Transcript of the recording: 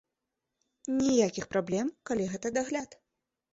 Ніякіх праблем, калі гэта дагляд.